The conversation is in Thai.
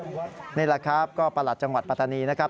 นี่แหละครับก็ประหลัดจังหวัดปัตตานีนะครับ